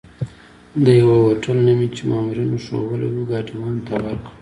د یوه هوټل نوم مې چې مامورینو ښوولی وو، ګاډیوان ته ورکړ.